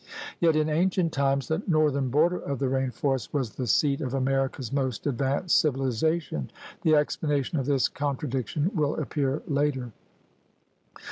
Yet in ancient times the northern border of the rain forest was the seat of America's most advanced civilization. The explanation of this contradiction will appear later.